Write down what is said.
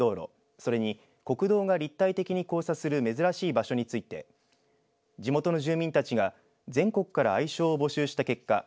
それに国道が立体的に交差する珍しい場所について地元の住民たちが全国から愛称を募集した結果